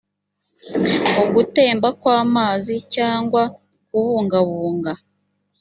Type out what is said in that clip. ugutemba kw amazi cyangwa kubungabunga